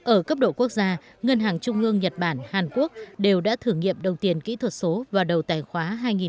ở cấp độ quốc gia ngân hàng trung ương nhật bản hàn quốc đều đã thử nghiệm đồng tiền kỹ thuật số vào đầu tài khoá hai nghìn hai mươi